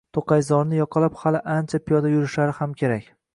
To`qayzorni yoqalab hali ancha piyoda yurishlari ham kerak